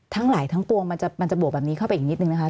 ทั้งหลายทั้งปวงมันจะบวกแบบนี้เข้าไปอีกนิดนึงนะคะ